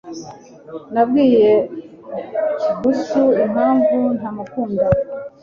Nabwiye gusa impamvu ntamukunda.